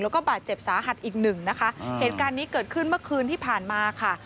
แล้วก็บาดเจ็บสาหัสอีกหนึ่งนะคะเหตุการณ์นี้เกิดขึ้นเมื่อคืนที่ผ่านมาค่ะ